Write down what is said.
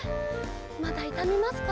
まだいたみますか？